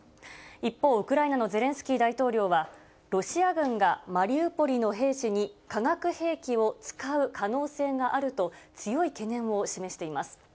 一方、ウクライナのゼレンスキー大統領は、ロシア軍がマリウポリの兵士に化学兵器を使う可能性があると、強い懸念を示しています。